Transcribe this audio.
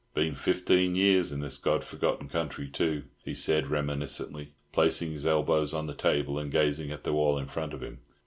Been fifteen years in this God forgotten country, too," he said reminiscently, placing his elbows on the table, and gazing at the wall in front of him.